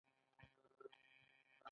ټولیز تامینات د مامور له حقوقو څخه دي.